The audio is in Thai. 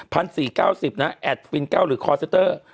๑๔๙๐บาทนะแอดฟิน๙หรือคอร์สเซ็ตเตอร์